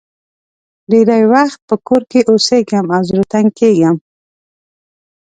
ډېری وخت په کور کې اوسېږم او زړه تنګ کېږم.